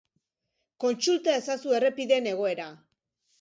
Kontsulta ezazu errepideen egoera.